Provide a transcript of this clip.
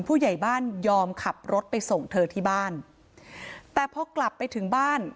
ผู้ใหญ่บ้านยอมขับรถไปส่งเธอที่บ้านแต่พอกลับไปถึงบ้าน